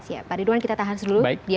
siap pak ridwan kita tahan dulu